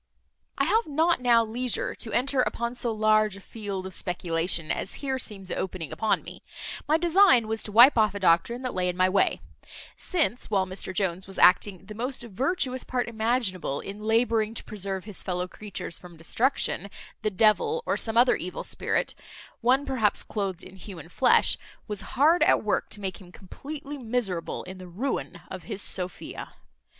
I have not now leisure to enter upon so large a field of speculation, as here seems opening upon me; my design was to wipe off a doctrine that lay in my way; since, while Mr Jones was acting the most virtuous part imaginable in labouring to preserve his fellow creatures from destruction, the devil, or some other evil spirit, one perhaps cloathed in human flesh, was hard at work to make him completely miserable in the ruin of his Sophia.